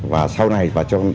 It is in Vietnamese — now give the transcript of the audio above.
và sau này